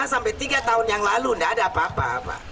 lima sampai tiga tahun yang lalu tidak ada apa apa